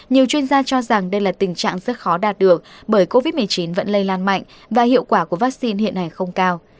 nhiều chuyên gia cho rằng đây là tình trạng rất khó đạt được bởi covid một mươi chín vẫn lây lan mạnh và hiệu quả của vaccine hiện nay không cao